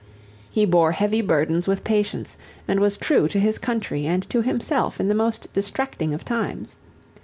He bore heavy burdens with patience and was true to his country and to himself in the most distracting of times.